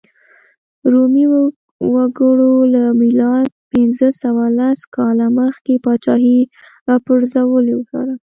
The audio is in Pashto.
رومي وګړو له میلاد پنځه سوه لس کاله مخکې پاچاهۍ راپرځولو سره.